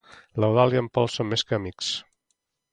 L'Eudald i en Pol són més que amics.